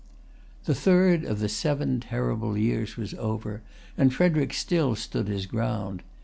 The third of the seven terrible years was over; and Frederic still stood his ground.